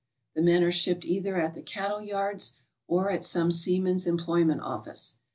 The men are shipped either at the cattle yards or at some seaman's employment office.